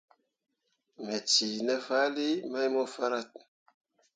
Me cii ne fahlii mai mo farah.